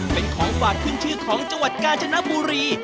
เป็นของฝากขึ้นชื่อของจังหวัดกาญจนบุรี